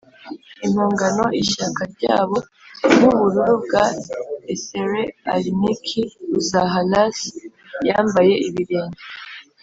impongano ishyaka ryabo, nkubururu bwa etherealniki uzaha lass yambaye ibirenge,